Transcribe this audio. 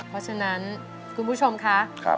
เพราะฉะนั้นคุณผู้ชมค่ะ